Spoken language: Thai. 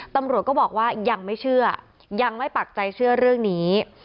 ตำรวจก็บอกว่ายังไม่เชื่อยังไม่ปักใจเชื่อเรื่องนี้